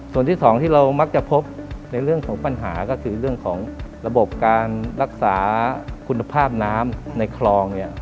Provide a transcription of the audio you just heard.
ส่วนที่สองที่เรามักจะพบในเรื่องของปัญหาก็คือเรื่องของระบบการรักษาคุณภาพน้ำในคลองเนี่ย